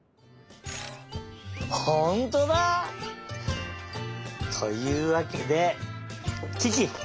ほんとうだ！というわけでキキ！